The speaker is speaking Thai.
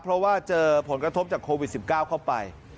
เพราะว่าเจอผลกระทบจากโควิด๑๙เข้าไป